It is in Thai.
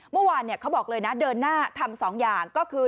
เมื่อวานเขาบอกเลยนะเดินหน้าทำ๒อย่างก็คือ